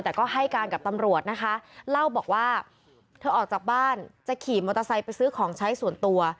แต่ก็ให้การกับตำรวจนะคะเล่าบอกว่าเธอออกจากบ้านจะขี่มอเตอร์ไซค์ไปซื้อของใช้ส่วนตัว